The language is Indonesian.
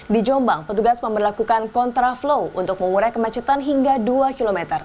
di jombang petugas memperlakukan kontraflow untuk mengurai kemacetan hingga dua km